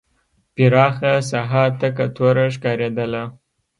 پراخه ساحه تکه توره ښکارېدله.